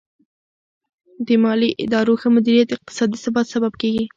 د مالي ادارو ښه مدیریت د اقتصادي ثبات سبب کیږي.